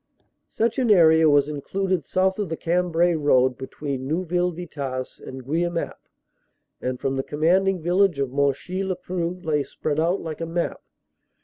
Such an area was included south of the Cambrai road be tween Neuville Vitasse and Guemappe and from the com manding vantage of Monchy le Preux lay spread out like a map.